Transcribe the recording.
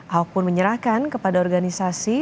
ahok pun menyerahkan kepada organisasi